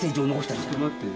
ちょっと待って。